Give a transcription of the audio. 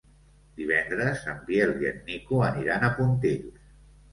Divendres en Biel i en Nico aniran a Pontils.